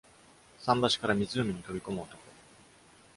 桟橋から湖に飛び込む男。